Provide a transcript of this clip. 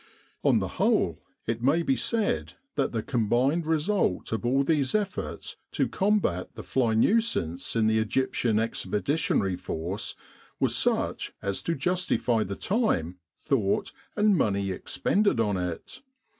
On the whole, it may be said that the combined re sult of all these efforts to combat the fly nuisance in the E.E.F. was such as to justify the time, thought, and money expended on it.